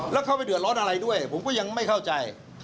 แล้วเข้าไปเดือดร้อนอะไรด้วยผมก็ยังไม่เข้าใจ